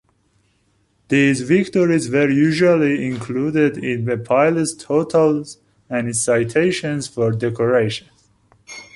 These victories were usually included in a pilot's totals and in citations for decorations.